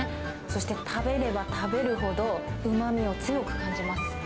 そして、食べれば食べるほど、うまみを強く感じます。